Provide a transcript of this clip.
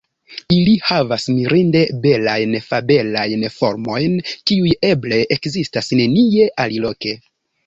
Ili havas mirinde belajn, fabelajn formojn, kiuj eble ekzistas nenie aliloke.